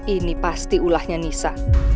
ini pasti ulahnya nisa